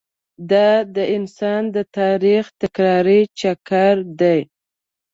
دا د انسان د تاریخ تکراري چکر دی.